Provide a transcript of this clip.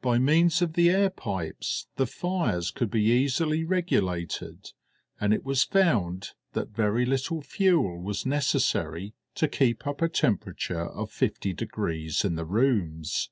By means of the air pipes the fires could be easily regulated, and it was found that very little fuel was necessary to keep up a temperature of 50 degrees in the rooms.